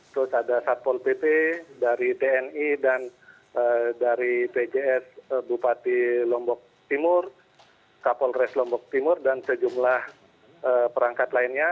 terus ada satpol pp dari tni dan dari pjs bupati lombok timur kapolres lombok timur dan sejumlah perangkat lainnya